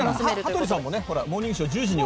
羽鳥さんも「モーニングショー」のあとに。